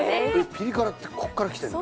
ピリ辛ってこっからきてるの？